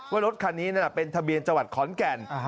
รถคันนี้เป็นทะเบียนจังหวัดขอนแก่น